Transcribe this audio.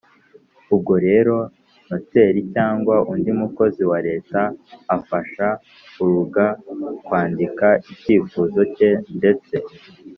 ubwo rero noteri cyangwa undi mukozi wa leta afasha uraga kwandika icyifuzo cye ndetse.